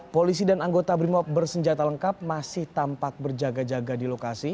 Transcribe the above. polisi dan anggota brimob bersenjata lengkap masih tampak berjaga jaga di lokasi